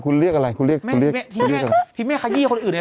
คุณเรียกอะไรคุณเรียกคุณเรียกพี่เรียกอะไรพี่ไม่ขยี้คนอื่นใน